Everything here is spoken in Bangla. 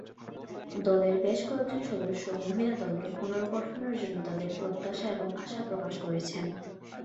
দলের বেশ কয়েকজন সদস্য মহিলা দলকে পুনর্গঠনের জন্য তাদের প্রত্যাশা এবং আশা প্রকাশ করেছেন।